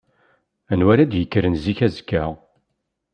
Anwa ara d-yekkren zik azekka?